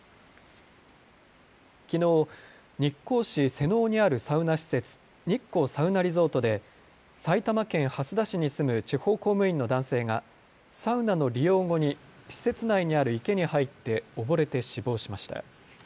きのう、日光市瀬尾にあるサウナ施設、日光サウナリゾートで埼玉県蓮田市に住む地方公務員の男性がサウナの利用後に施設内にある池に入って溺れて死亡しました。